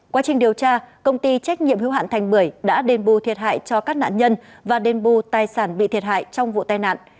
quá trình điều tra công ty trách nhiệm hữu hạn thành bưởi đã đền bù thiệt hại cho các nạn nhân và đền bù tài sản bị thiệt hại trong vụ tai nạn